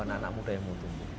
anak anak muda yang mau tumbuh